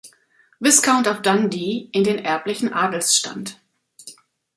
Viscount of Dundee in den erblichen Adelsstand.